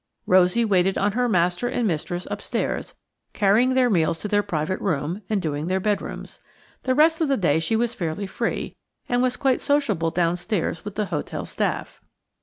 Rosie waited on her master and mistress upstairs, carrying their meals to their private room, and doing their bedrooms. The rest of the day she was fairly free, and was quite sociable downstairs with the hotel staff.